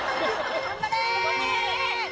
頑張れ！